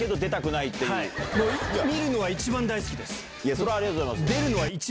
それはありがとうございます。